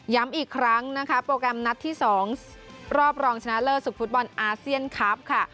ย้ำอีกครั้งนะครับโปรแกรมนัดที่๒รอบรองชนะเลอสุขฟุตบอลอาเซียนคัฟค่ะ